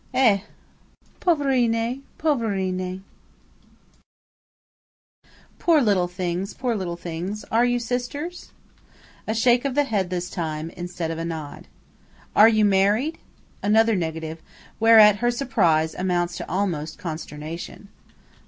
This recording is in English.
"Eh! poverine! poverine;' (poor little things! poor little things!) Are you sisters?" A shake of the head this time, instead of a nod. "Are you married?" Another negative, whereat her surprise amounts almost to consternation.